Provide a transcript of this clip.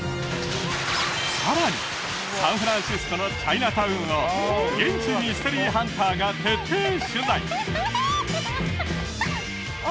さらにサンフランシスコのチャイナタウンを現地ミステリーハンターが徹底取材！